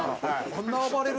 「こんな暴れる？